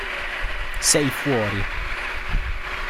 Sei fuori.